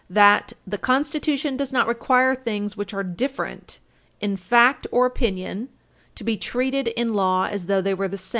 147, that "the Constitution does not require things which are different, in fact, or opinion to be treated in law as though they were the same."